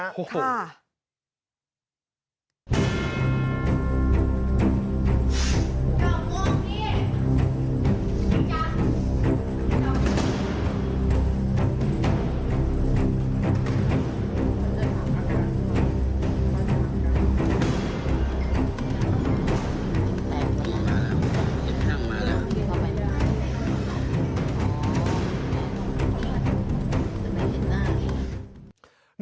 ล้างค์ถูกมาแล้วล้างค์มาแล้วครับโอ้โฮ